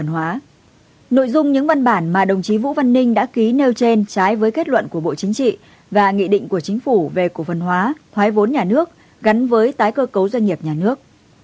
nội dung những văn bản mà đồng chí vũ văn ninh đã ký nêu trên trái với kết luận của bộ chính trị và nghị định của chính phủ về cổ phần hóa thoái vốn nhà nước gắn với tái cơ cấu doanh nghiệp nhà nước